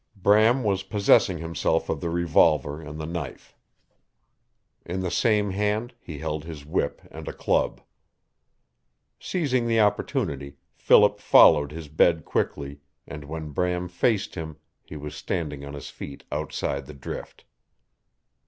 Bram was possessing himself of the revolver and the knife. In the same hand he held his whip and a club. Seizing the opportunity, Philip followed his bed quickly, and when Bram faced him he was standing on his feet outside the drift.